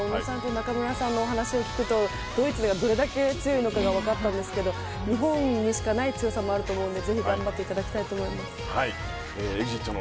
中村さんの話を聞くとドイツはどれだけ強いのかが分かったんですが日本にしかない強さもあると思うのでぜひ頑張っていただきたいと思います。